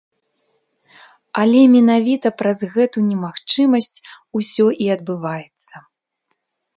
Але менавіта праз гэту немагчымасць усё і адбываецца.